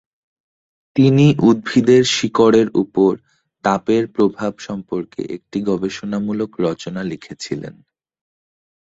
তিনি উদ্ভিদের শিকড়ের উপর তাপের প্রভাব সম্পর্কে একটি গবেষণামূলক রচনা লিখেছিলেন।